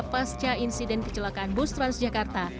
pasca insiden kecelakaan bus transjakarta